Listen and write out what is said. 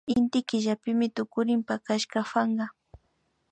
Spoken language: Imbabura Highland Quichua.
Inty killapi tukurin pactashaka panka